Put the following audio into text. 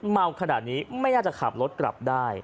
เมาขนาดนี้ไม่น่าจะขับรถกลับได้